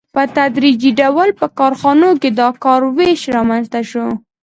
په تدریجي ډول په کارخانو کې د کار وېش رامنځته شو